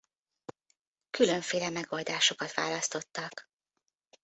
Különféle megoldásokat választottak.